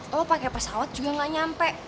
lo pake pasawat juga gak nyampe